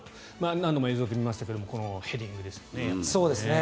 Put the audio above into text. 何度も映像で見ましたがこのヘディングですね。